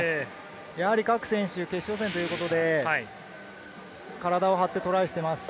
やはり各選手、決勝戦ということで、体を張ってトライしています。